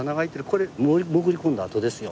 これ潜り込んだ跡ですよ。